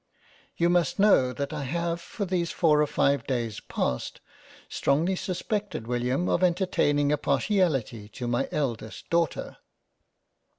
You must know that I have for these 4 or 5 Days past strongly suspected William of entertaining a partiality to my eldest Daughter.